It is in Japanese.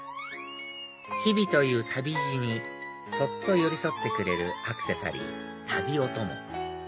日々という旅路にそっと寄り添ってくれるアクセサリー「タビオトモ」